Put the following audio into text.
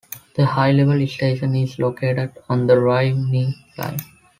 The High Level station is located on the Rhymney Line.